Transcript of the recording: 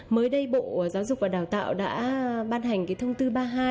mới đây bộ giáo dục và đào tạo đã ban hành thông tư ba mươi hai